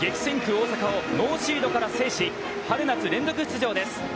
大阪をノーシードから制し、春夏連続出場です。